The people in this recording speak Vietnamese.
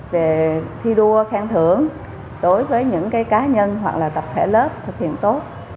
về thi đua khen thưởng đối với những cá nhân hoặc là tập thể lớp thực hiện tốt